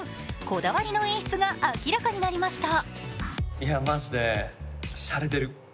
こだわりの演出が明らかになりました。